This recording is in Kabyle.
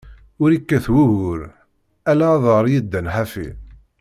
Ur ikkat wugur, ala aḍaṛ yeddan ḥafi.